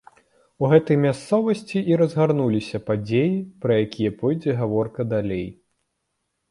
У гэтай мясцовасці і разгарнуліся падзеі, пра якія пойдзе гаворка далей.